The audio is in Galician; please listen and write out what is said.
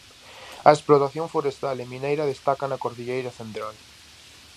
A explotación forestal e mineira destaca na Cordilleira Central.